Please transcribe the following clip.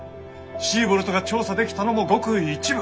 シーボルトが調査できたのもごく一部。